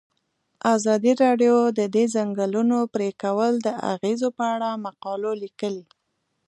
ازادي راډیو د د ځنګلونو پرېکول د اغیزو په اړه مقالو لیکلي.